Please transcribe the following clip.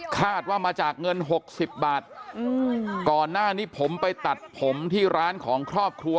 คาดว่ามาจากเงินหกสิบบาทอืมก่อนหน้านี้ผมไปตัดผมที่ร้านของครอบครัว